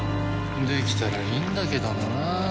できたらいいんだけどなあ。